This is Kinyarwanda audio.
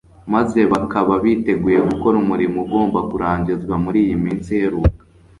maze bakaba biteguye gukora umurimo ugomba kurangizwa muri iyi minsi iheruka